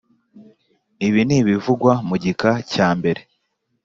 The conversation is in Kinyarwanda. Ibi N ibivugwa mu gika cyambere